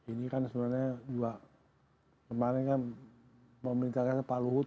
ini kan sebenarnya juga kemarin kan memerintahkan pak luhut